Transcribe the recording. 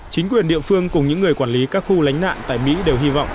chính quyền địa phương cùng những người quản lý các khu lánh nạn tại mỹ đều hy vọng